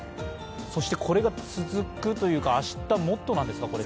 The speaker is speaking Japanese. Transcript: これが続くというか、明日もっとなんですか？